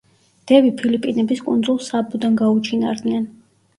დები ფილიპინების კუნძულ საბოდან გაუჩინარდნენ.